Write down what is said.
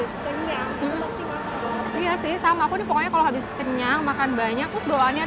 iya sih sama aku di pokoknya kalau habis kenyang makan banyak bawaannya